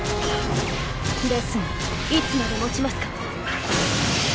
ですがいつまでもちますか。